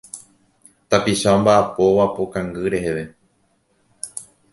Tapicha omba'apóva po kangy reheve.